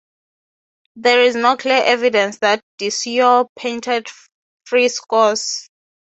There is no clear evidence that Duccio painted frescoes.